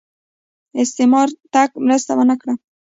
استعمار تګ مرسته ونه کړه